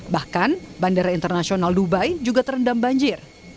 bahkan bandara internasional dubai juga terendam banjir